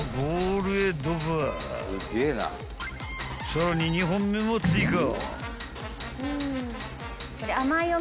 ［さらに２本目も追加］